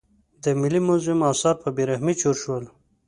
د ملي موزیم اثار په بې رحمۍ چور شول.